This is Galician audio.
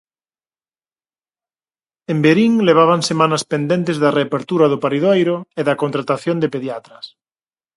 En Verín levaban semanas pendentes da reapertura do paridoiro e da contratación de pediatras.